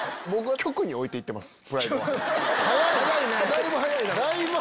だいぶ早いね！